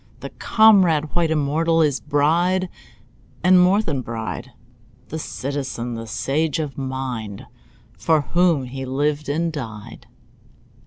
The comrade, white, immortal, His bride, and more than bride— The citizen, the sage of mind, For whom he lived and died.